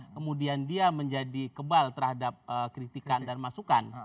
kemudian dia menjadi kebal terhadap kritikan dan masukan